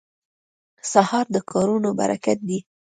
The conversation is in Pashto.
سهار د کارونو برکت دی.